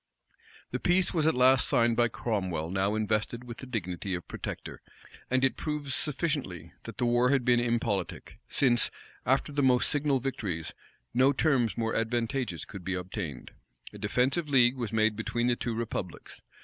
The peace was at last signed by Cromwell now invested with the dignity of protector, and it proves sufficiently, that the war had been impolitic, since, after the most signal victories, no terms more advantageous could be obtained. A defensive league was made between the two republics.